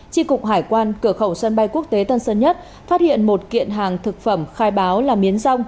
tri cục hải quan cửa khẩu sân bay quốc tế tân sơn nhất phát hiện một kiện hàng thực phẩm khai báo là miến rong